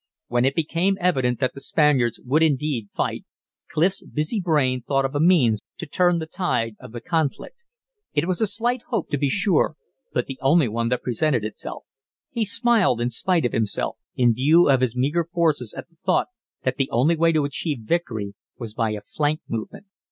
When it became evident that the Spaniards would indeed fight, Clif's busy brain thought of a means to turn the tide of conflict. It was a slight hope, to be sure, but the only one that presented itself. He smiled in spite of himself, in view of his meagre forces at the thought that the only way to achieve victory was by a flank movement.